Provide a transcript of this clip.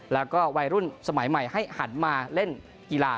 แล้วก็วัยรุ่นสมัยใหม่ให้หันมาเล่นกีฬา